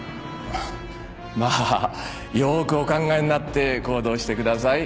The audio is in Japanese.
まあよくお考えになって行動してください。